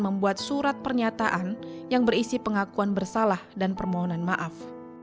membuat surat pernyataan yang berisi pengakuan bersalah dan permohonan maaf